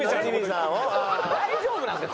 大丈夫なんですか？